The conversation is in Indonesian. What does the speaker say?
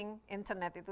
bagian dari strategi itu